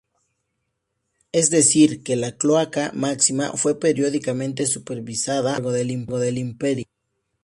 Es decir, que la Cloaca Máxima fue periódicamente supervisada a lo largo del Imperio.